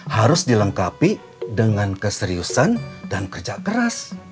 harus dilengkapi dengan keseriusan dan kerja keras